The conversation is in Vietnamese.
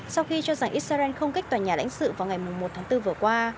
sau khi cho rằng israel không kích tòa nhà lãnh sự vào ngày một tháng bốn vừa qua